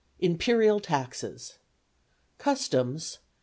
Imperial Taxes: (1) Customs